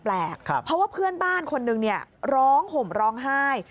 เพราะว่าเพื่อนบ้านคนหนึ่งร้องห่มร้องไห้